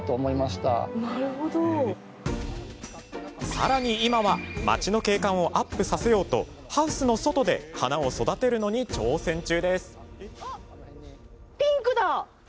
さらに今は町の景観をアップさせようとハウスの外で花を育てるのに挑戦中です。